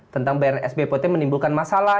tentang bnsb pt menimbulkan masalah